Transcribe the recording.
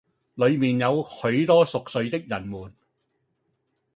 裏面有許多熟睡的人們，